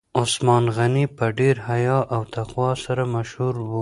عثمان غني په ډیر حیا او تقوا سره مشهور و.